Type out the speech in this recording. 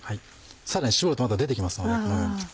さらに搾るとまだ出て来ますのでこのように。